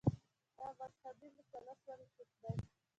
دا مذهبي مثلث ولي چوپ دی